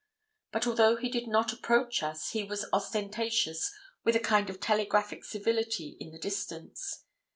But although he did not approach us, he was ostentatious with a kind of telegraphic civility in the distance.